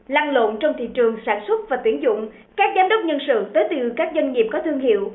lăng lộn trong thị trường sản xuất và tuyển dụng các giám đốc nhân sự tới từ các doanh nghiệp có thương hiệu